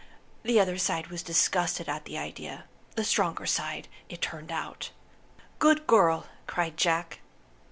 The other side was disgusted at the idea the stronger side, it turned out." "Good girl!" cried Jack.